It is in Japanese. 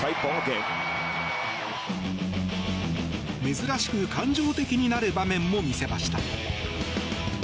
珍しく感情的になる場面も見せました。